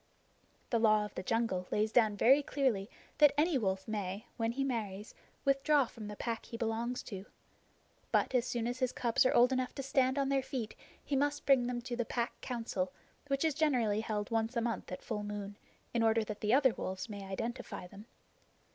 The Law of the Jungle lays down very clearly that any wolf may, when he marries, withdraw from the Pack he belongs to. But as soon as his cubs are old enough to stand on their feet he must bring them to the Pack Council, which is generally held once a month at full moon, in order that the other wolves may identify them.